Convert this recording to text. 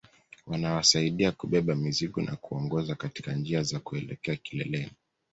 Wanawasaidia kubeba mizigo na kuwaongoza katika njia za kuelekea kileleni